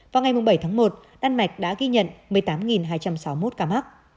vào ngày bảy tháng một đan mạch đã ghi nhận một mươi tám hai trăm sáu mươi một ca mắc